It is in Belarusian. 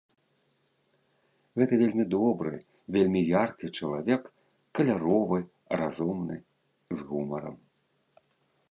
Гэта вельмі добры, вельмі яркі чалавек, каляровы, разумны, з гумарам.